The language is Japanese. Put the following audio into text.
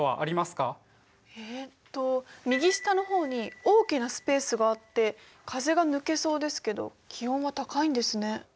えっと右下の方に大きなスペースがあって風が抜けそうですけど気温は高いんですね。